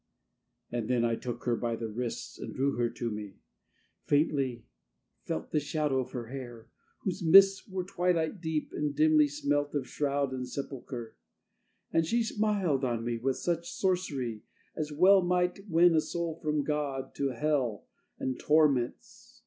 And then I took her by the wrists And drew her to me. Faintly felt The shadow of her hair, whose mists Were twilight deep and dimly smelt Of shroud and sepulchre. And she Smiled on me with such sorcery As well might win a soul from God To Hell and torments.